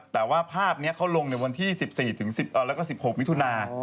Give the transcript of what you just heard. แต่ว่าภาพนี้เขาลงในวันที่๑๔แล้วก็๑๖มิถุนา